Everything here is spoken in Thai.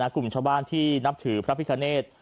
กลุ่มชาวบ้านที่นับถือพระพิคเนธ